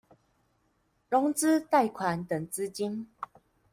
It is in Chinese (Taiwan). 融資貸款等資金